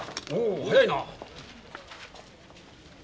おお早いな。